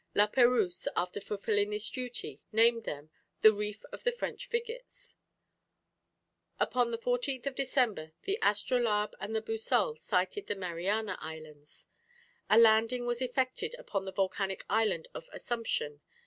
La Perouse, after fulfilling this duty, named them the "Reef of the French Frigates." Upon the 14th of December the Astrolabe and the Boussole sighted the Mariana Islands. A landing was effected upon the volcanic island of Assumption.